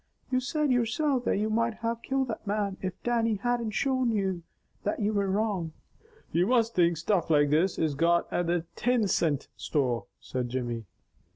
"You said yoursilf that you might have killed that man if Dannie hadn't showed you that you were wrong." "You must think stuff like this is got at the tin cint store," said Jimmy.